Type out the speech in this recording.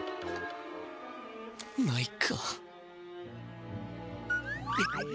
ないか。